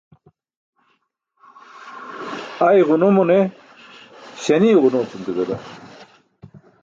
Ay ġuno mo ne śanie ġuno cum ke zada.